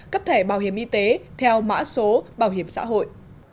cấp thẻ bảo hiểm y tế theo mã số bảo hiểm xã hội